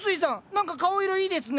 何か顔色いいですね。